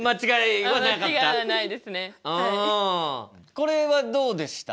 これはどうでした？